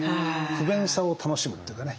不便さを楽しむというかね。